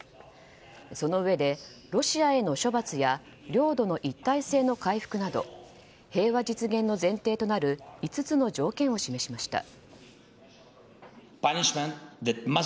そのうえで、ロシアへの処罰や領土の一体性の回復など平和実現の前提となる５つの条件を示しました。